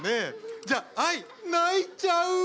じゃあ「哀」泣いちゃう。